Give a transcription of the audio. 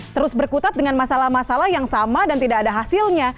terus berkutat dengan masalah masalah yang sama dan tidak ada hasilnya